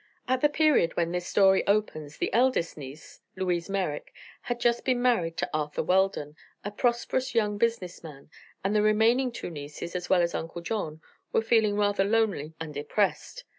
At the period when this story opens the eldest niece, Louise Merrick, had just been married to Arthur Weldon, a prosperous young business man, and the remaining two nieces, as well as Uncle John, were feeling rather lonely and depressed.